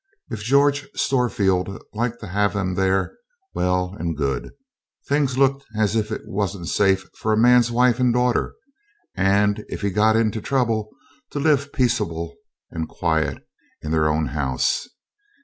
If George Storefield liked to have 'em there, well and good; things looked as if it wasn't safe now for a man's wife and daughter, and if he'd got into trouble, to live peaceable and quiet in their own house.